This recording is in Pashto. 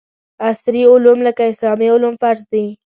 عصري علوم لکه اسلامي علوم فرض دي